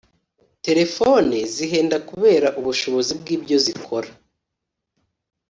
Telephone zihenda kubera ubushobozi bwi ibyozikora